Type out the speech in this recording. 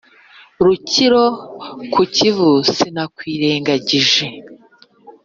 rutsiro ku kivu sinakwirengagije